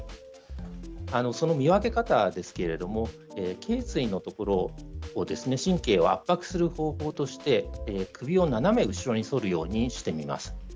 その見分け方ですけれどけい椎のところを神経を圧迫する方法として首を斜め後ろに反るようにしてもらいます。